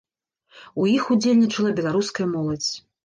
У іх удзельнічала беларуская моладзь.